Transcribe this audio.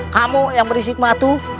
kamu yang berisik mah tuh